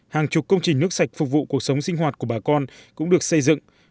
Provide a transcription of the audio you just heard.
hàng chục công trình nước sạch phục vụ cuộc sống sinh hoạt của bà con cũng được xây dựng